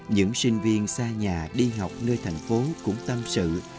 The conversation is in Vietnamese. những sinh viên xa nhà đi học nơi thành phố cũng tâm sự